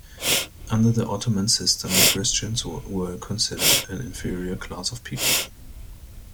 Under the Ottoman system, Christians were considered an inferior class of people.